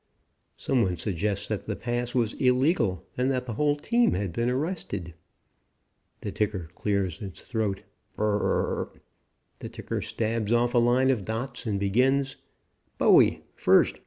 Some one suggests that the pass was illegal and that the whole team has been arrested. The ticker clears its throat. Br r r r r r r r r r r The ticker stabs off a line of dots and begins: "BOWIE.FIRST.